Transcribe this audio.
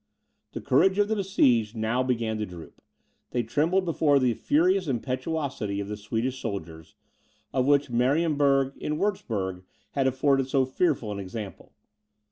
The courage of the besieged now began to droop. They trembled before the furious impetuosity of the Swedish soldiers, of which Marienberg, in Wurtzburg, had afforded so fearful an example.